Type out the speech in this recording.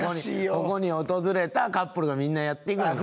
ここに訪れたカップルがみんなやっていくんやろ。